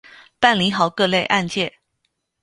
办理好各类案件